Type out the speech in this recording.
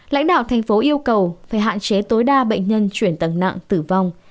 lãnh đạo thành phố yêu cầu phải hạn chế tối đa bệnh nhân chuyển tầng nặng tử vong